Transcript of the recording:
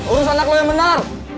urus anak lo yang benar